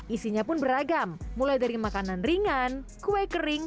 isinya pun beragam mulai dari makanan ringan kue kering